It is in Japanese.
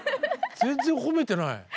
全然褒めてない。